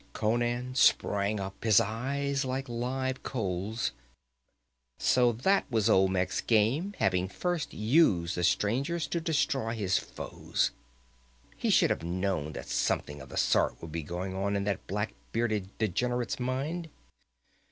Conan sprang up, his eyes like live coals. So that was Olmec's game, having first used the strangers to destroy his foes! He should have known that something of the sort would be going on in that black bearded degenerate's mind.